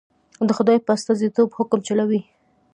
د خدای په استازیتوب حکم چلوي.